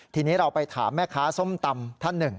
ทีนี้เราไปถามแม่ค้าส้มตำท่านหนึ่ง